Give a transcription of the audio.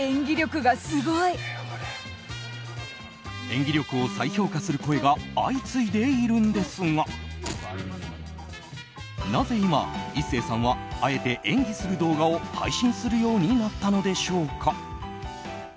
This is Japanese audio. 演技力を再評価する声が相次いでいるんですがなぜ今、壱成さんはあえて演技する動画を配信するようになったのでしょうか。